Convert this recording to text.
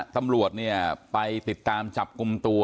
ตำรวจเนี่ยไปติดตามจับกลุ่มตัว